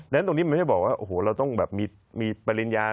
แล้วตรงนี้มันไม่ได้บอกว่าโอ้โหเราต้องแบบมีปริญญา